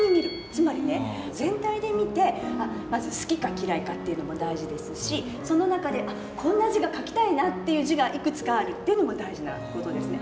つまりね全体で見てまず好きか嫌いかっていうのも大事ですしその中で「こんな字が書きたいな」っていう字がいくつかあるっていうのも大事な事ですね。